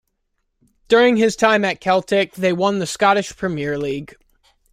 During his time at Celtic, they won the Scottish Premier League.